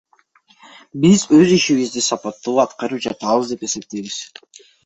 Биз өз ишибизди сапаттуу аткарып жатабыз деп эсептейбиз.